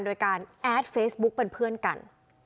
โดยการแอดเฟซบุ๊กเป็นเพื่อนกัน